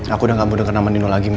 aku udah gak mau denger nama nino lagi ma